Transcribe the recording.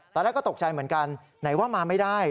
ตอนแรกก็ตกใจเหมือนกันไหนว่ามาไม่ได้